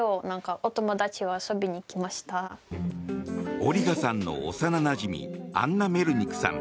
オリガさんの幼なじみアンナ・メルニクさん。